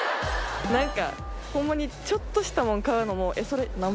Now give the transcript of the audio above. なんかホンマにちょっとしたものを買うのも。